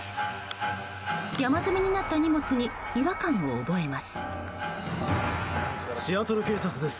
山積みになった荷物に違和感を覚えます。